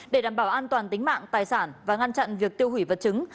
để đảm bảo an toàn tính mạng tài sản và ngăn chặn việc tiêu hủy vật chứng